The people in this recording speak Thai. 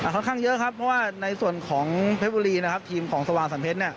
ค่อนข้างเยอะครับเพราะว่าในส่วนของเป็นเพลิงน่าครับทีมของสวรรค์สังเพศ